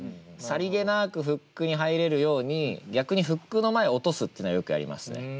さりげなくフックに入れるように逆にフックの前を落とすっていうのはよくやりますね。